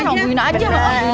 iya sama bu ina aja